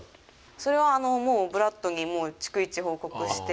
それはもうブラッドにもう逐一報告して。